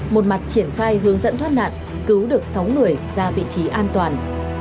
một mặt triển khai hướng dẫn thoát nạn cứu được sáu người ra vị trí an toàn